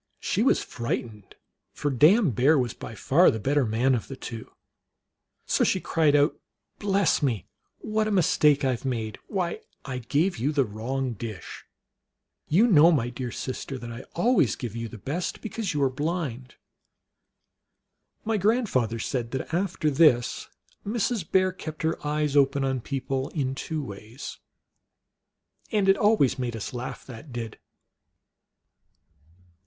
She was frightened, for Dame Bear was by far the better man of the two. So she cried out, " Bless me ! what a mistake I ve made ! Why, I gave you the wrong dish. You know, my dear sis 12 178 THE ALGONQUIN LEGENDS. ter, that I always give you the best because you are blind." My grandfather said that after this Mrs. Bear kept her eyes open on people in two ways. And it always made us laugh, that did.